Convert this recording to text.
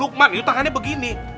lukman yuk tahannya begini